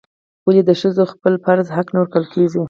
ولې د ښځو خپل فرض حق نه ورکول کیږي؟